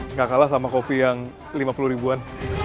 nggak kalah sama kopi yang lima puluh ribuan